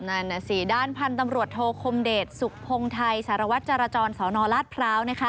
นั่นน่ะสิด้านพันธุ์ตำรวจโทคมเดชสุขพงไทยสารวัตรจรจรสนราชพร้าว